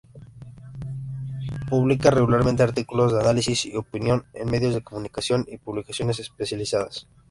Publica regularmente artículos de análisis y opinión en medios de comunicación y publicaciones especializadas.